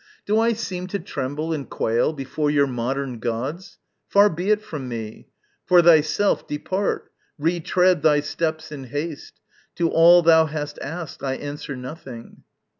Do I seem To tremble and quail before your modern gods? Far be it from me! For thyself, depart, Re tread thy steps in haste. To all thou hast asked I answer nothing.